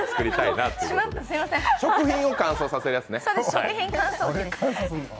食品を乾燥させるやつね。